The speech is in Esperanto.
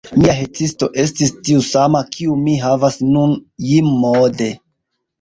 Mia hejtisto estis tiu sama, kiun mi havas nun, Jim Moode.